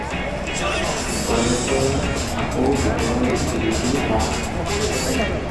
টইলেটৰ আকৌ ভিতৰৰ খিলিটো ভঙা।